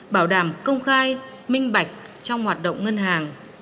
bảo đảm công khai minh bạch trong hoạt động ngân hàng